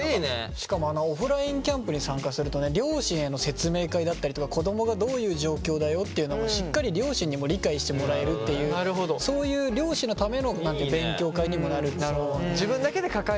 しかもあのオフラインキャンプに参加するとね両親への説明会だったりとか子どもがどういう状況だよっていうのもしっかり両親にも理解してもらえるっていうそういう両親のための勉強会にもなるんですよ。